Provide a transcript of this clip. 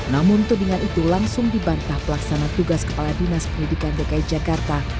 namun tudingan itu langsung dibantah pelaksana tugas kepala dinas pendidikan dki jakarta